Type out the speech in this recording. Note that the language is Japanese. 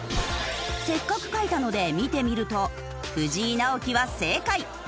せっかく書いたので見てみると「藤井直樹」は正解。